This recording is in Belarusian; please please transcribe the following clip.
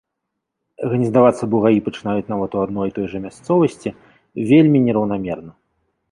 Гнездавацца бугаі пачынаюць нават у адной і той жа мясцовасці вельмі нераўнамерна.